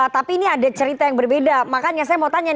tapi ini ada cerita yang berbeda makanya saya mau tanya